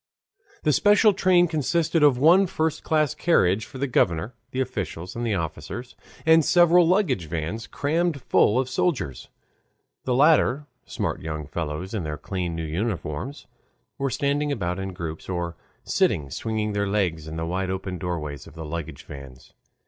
The special train consisted of one first class carriage for the governor, the officials, and officers, and several luggage vans crammed full of soldiers. The latter, smart young fellows in their clean new uniforms, were standing about in groups or sitting swinging their legs in the wide open doorways of the luggage vans.